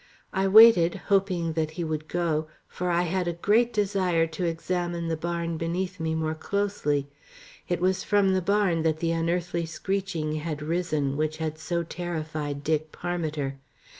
I waited, hoping that he would go, for I had a great desire to examine the barn beneath me more closely. It was from the barn that the unearthly screeching had risen which had so terrified Dick Parmiter.